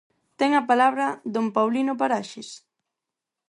Ten a palabra don Paulino Paraxes.